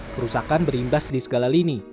kerusakan berimbas di segala lini